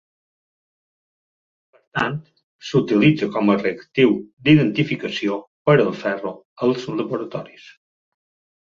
Per tant, s'utilitza com a reactiu d'identificació per al ferro als laboratoris.